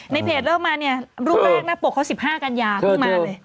เพจเริ่มมาเนี่ยรูปแรกหน้าปกเขา๑๕กันยาเพิ่งมาเลย